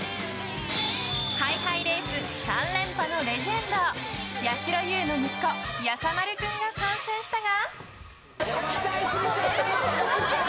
ハイハイレース３連覇のレジェンドやしろ優の息子やさまる君が参戦したが。